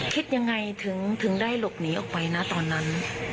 คิดยังไงถึงได้หลบหนีออกไปนะตอนนั้น